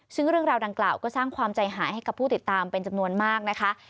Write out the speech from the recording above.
ซึ่งเรื่องราวดังกล่าวก็สร้างความใจหายให้กับผู้ติดตามเป็นจำนวนมากนะคะ